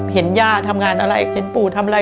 เห็นย่าทำงานอะไรเห็นปู่ทำอะไร